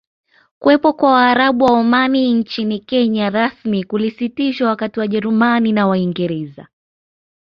Kuwepo kwa Waarabu wa Omani nchini Kenya rasmi kulisitishwa wakati Wajerumani na Waingereza